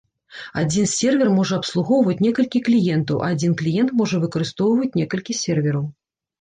Адзін сервер можа абслугоўваць некалькі кліентаў, а адзін кліент можа выкарыстоўваць некалькі сервераў.